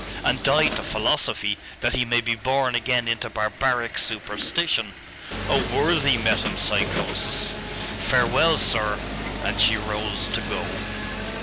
'And die to philosophy, that he may be born again into barbaric superstition! Oh worthy metempsychosis! Farewell, sir!' And she rose to go.